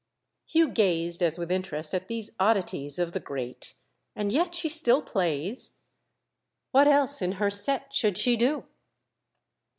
Hugh gazed as with interest at these oddities of the great. "And yet she still plays?" "What else, in her set, should she do?"